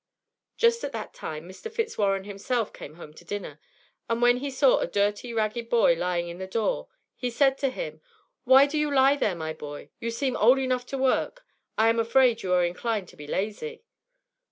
Just at that time Mr. Fitzwarren himself came home to dinner; and when he saw a dirty ragged boy lying at the door, he said to him: "Why do you lie there, my boy? You seem old enough to work; I am afraid you are inclined to be lazy."